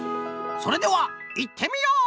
それではいってみよう！